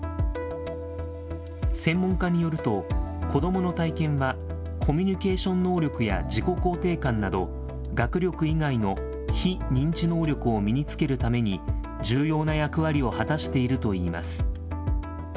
専門家によると、子どもの体験は、コミュニケーション能力や自己肯定感など、学力以外の非認知能力を身につけるために重要な役割を果たしているといいます。